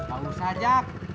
gak usah jak